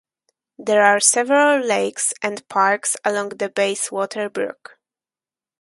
There are several lakes and parks along the Bayswater Brook.